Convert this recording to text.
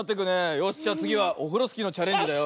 よしじゃあつぎはオフロスキーのチャレンジだよ。